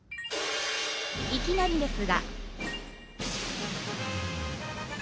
いきなりですが。